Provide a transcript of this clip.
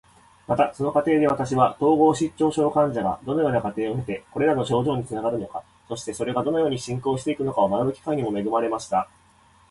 また、その過程で私は、統合失調症患者がどのような過程を経てこれらの症状につながるのか、そしてそれがどのように進行していくのかを学ぶ機会にも恵まれました。